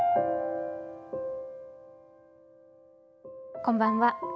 こんばんは。